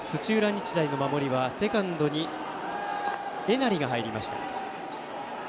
日大の守りはセカンドに江成が入りました。